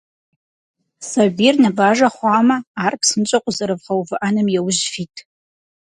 Сабийр ныбажэ хъуамэ, ар псынщӏэу къэзэрывгъэувыӏэным яужь фит.